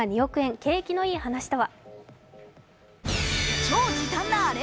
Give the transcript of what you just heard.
景気のいい話とは？